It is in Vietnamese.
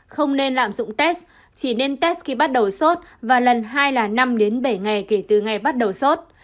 không nên lạm dụng test chỉ nên test khi bắt đầu sốt và lần hai là năm đến bảy ngày kể từ ngày bắt đầu sốt